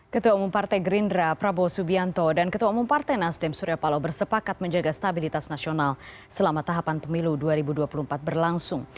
ketua umum partai gerindra prabowo subianto dan ketua umum partai nasdem surya palo bersepakat menjaga stabilitas nasional selama tahapan pemilu dua ribu dua puluh empat berlangsung